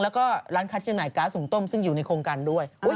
แล้วก็ร้านค้าจำหน่ายก๊าซหุ่งต้มซึ่งอยู่ในโครงการด้วย